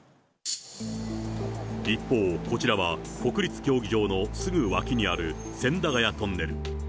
一方、こちらは国立競技場のすぐ脇にある千駄ヶ谷トンネル。